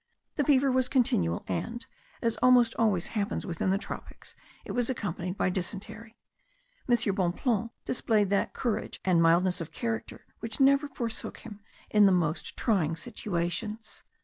The fever was continual and, as almost always happens within the tropics, it was accompanied by dysentery. M. Bonpland displayed that courage and mildness of character which never forsook him in the most trying situations.